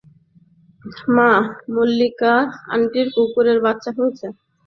মা, মল্লিকা আন্টির কুকুরের বাচ্চা হয়েছে!